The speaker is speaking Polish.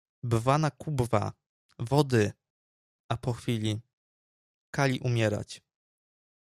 — Bwana Kubwa, wody! A po chwili: — Kali umierać.